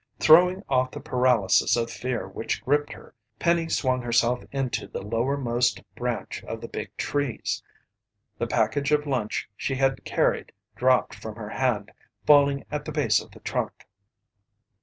Throwing off the paralysis of fear which gripped her, Penny swung herself into the lowermost branch of the big trees. The package of lunch she had carried, dropped from her hand, falling at the base of the trunk.